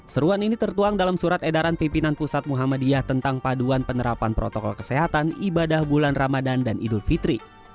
seruan ini tertuang dalam surat edaran pimpinan pusat muhammadiyah tentang paduan penerapan protokol kesehatan ibadah bulan ramadan dan idul fitri